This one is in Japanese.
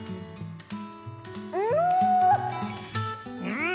うん！